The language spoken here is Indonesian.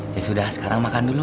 ya sudah sekarang makan dulu